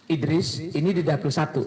idris ini di dapil satu